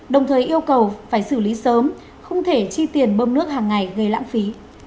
đồng thời yêu cầu phải xử lý sớm không thể chi tiền bơm nước hàng ngày gây lãng phí